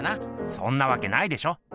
そんなわけないでしょ。